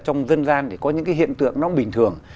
trong dân gian thì có những cái hiện tượng nó bình thường